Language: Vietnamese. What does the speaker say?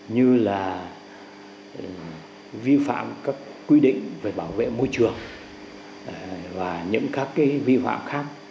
như là vi phạm các quy định về bảo vệ môi trường và những các vi phạm khác